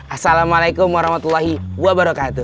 assalamualaikum warahmatullahi wabarakatuh